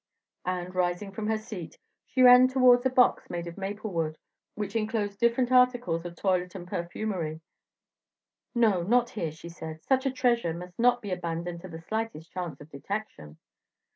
And rising from her seat, she ran towards a box made of maple wood, which inclosed different articles of toilette and perfumery. "No, not here," she said, "such a treasure must not be abandoned to the slightest chance of detection."